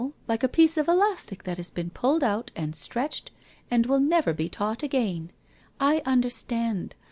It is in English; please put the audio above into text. Like a piece of elastic that has been pulled out and stretched and will never be taut again. I under stand.